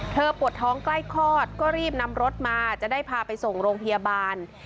ปวดท้องใกล้คลอดก็รีบนำรถมาจะได้พาไปส่งโรงพยาบาล